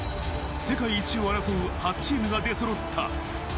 世界一を争う８チームが出揃った。